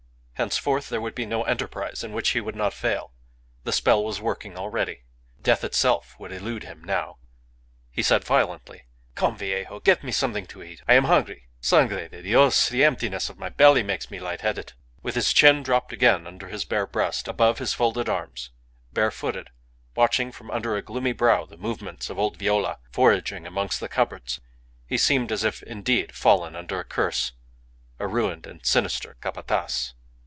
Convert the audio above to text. Henceforth there would be no enterprise in which he would not fail. The spell was working already. Death itself would elude him now. ... He said violently "Come, viejo! Get me something to eat. I am hungry! Sangre de Dios! The emptiness of my belly makes me lightheaded." With his chin dropped again upon his bare breast above his folded arms, barefooted, watching from under a gloomy brow the movements of old Viola foraging amongst the cupboards, he seemed as if indeed fallen under a curse a ruined and sinister Capataz.